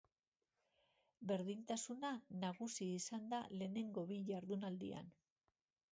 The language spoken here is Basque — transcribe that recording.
Berdintasuna nagusi izan da lehenengo bi jardunaldian.